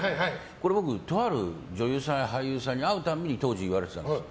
僕、とある女優さんや俳優さんに会うたびに当時言われてたんです。